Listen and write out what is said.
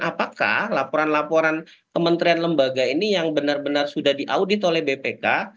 apakah laporan laporan kementerian lembaga ini yang benar benar sudah diaudit oleh bpk